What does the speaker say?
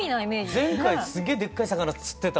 前回すげえでっかい魚釣ってた。